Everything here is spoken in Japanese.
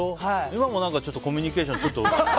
今も何かコミュニケーション、ちょっと。